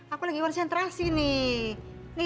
aku sedang bercentralisasi ya